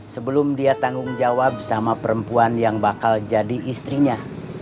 sebelum dia tanggung jawab sama perempuan yang bakal jadi istrinya